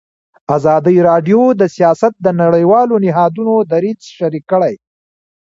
ازادي راډیو د سیاست د نړیوالو نهادونو دریځ شریک کړی.